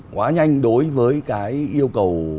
quá nhanh đối với cái yêu cầu